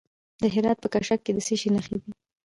د هرات په کشک کې د څه شي نښې دي؟